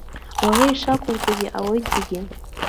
Уара ишақәуҵаз иҟалоит зегьы!